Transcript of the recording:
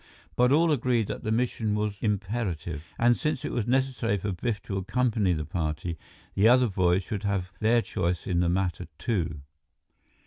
But all agreed that the mission was imperative, and since it was necessary for Biff to accompany the party, the other boys should have their choice in the matter, too.